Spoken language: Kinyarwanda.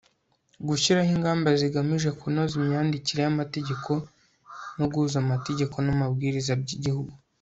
gushyiraho ingamba zigamije kunoza imyandikire y'amategeko no guhuza amategeko n'amabwiriza by'igihugu